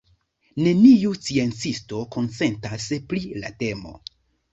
Neniu sciencisto konsentas pri la temo.